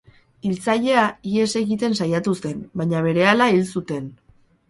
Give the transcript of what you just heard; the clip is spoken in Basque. Hiltzailea ihes egiten saiatu zen, baina berehala hil zuten.